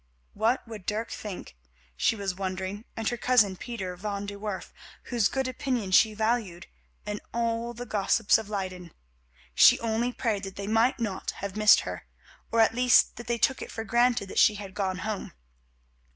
What would Dirk think, she was wondering, and her cousin, Pieter van de Werff, whose good opinion she valued, and all the gossips of Leyden? She only prayed that they might not have missed her, or at least that they took it for granted that she had gone home.